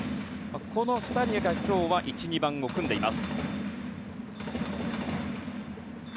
この２人が今日は１、２番を組んでいます。